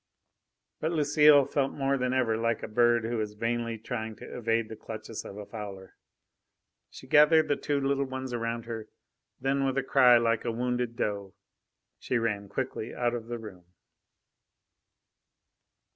But Lucile felt more than ever like a bird who is vainly trying to evade the clutches of a fowler. She gathered the two little ones around her. Then, with a cry like a wounded doe she ran quickly out of the room.